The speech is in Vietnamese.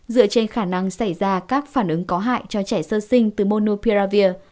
dựa trên khả năng xảy ra các phản ứng có hại cho trẻ sơ sinh từ monopia